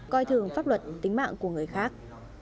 coi thường pháp luật tính mạng của người khác